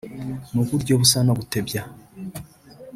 Mu buryo busa no gutebya